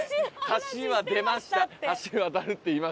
橋は出ました。